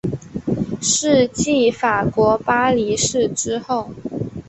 是继法国巴黎市之后。